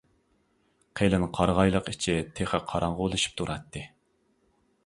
قېلىن قارىغايلىق ئىچى تېخى قاراڭغۇلىشىپ تۇراتتى.